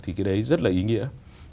thì cái đấy rất là ý nghĩa